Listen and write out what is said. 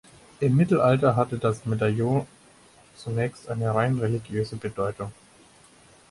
Im Mittelalter hatte das Medaillon zunächst eine rein religiöse Bedeutung.